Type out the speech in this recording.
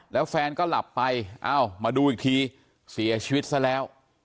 แล้วแฟนก็หลับไปเอ้ามาดูอีกทีเสียชีวิตซะแล้ว